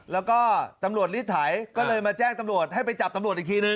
แล้วก็ตำรวจรีดไถก็เลยมาแจ้งตำรวจให้ไปจับตำรวจอีกทีนึง